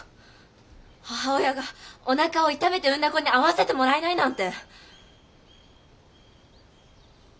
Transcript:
母親がおなかを痛めて産んだ子に会わせてもらえないなんて！